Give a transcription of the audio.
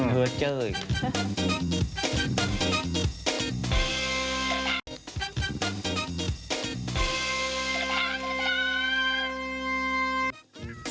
เหลือเจ้ออีก